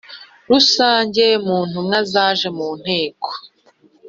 Rusange mu ntumwa zaje mu nteko